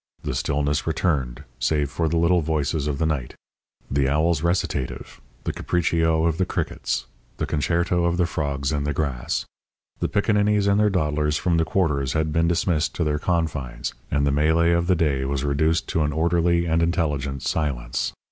The stillness returned, save for the little voices of the night the owl's recitative, the capriccio of the crickets, the concerto of the frogs in the grass. The piccaninnies and the dawdlers from the quarters had been dismissed to their confines, and the melée of the day was reduced to an orderly and intelligent silence.